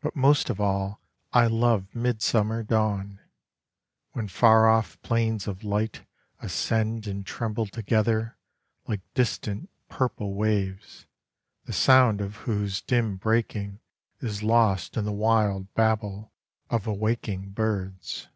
But most of all I love midsummer dawn, When far off planes of light ascend and tremble together Like distant purple waves, the sound of whose dim breaking Is lost in the wild babel of awaking birds.